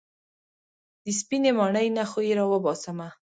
د سپينې ماڼۍ نه خو يې راوباسمه.